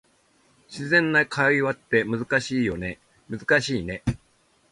自然な会話って難しいね